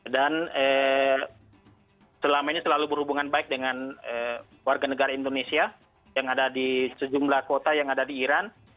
dan selama ini selalu berhubungan baik dengan warga negara indonesia yang ada di sejumlah kota yang ada di iran